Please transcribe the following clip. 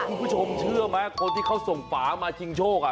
คุณผู้ชมเชื่อไหมคนที่เขาส่งฝามาชิงโชค